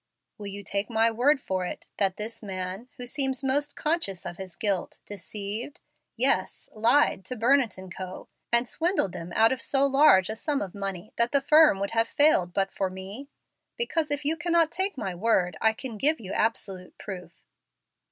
"Will you take my word for it, that this man, who seems most conscious of his guilt, deceived yes, lied to Burnett & Co., and swindled them out of so large a sum of money that the firm would have failed but for me? Because, if you cannot take my word, I can give you absolute proof."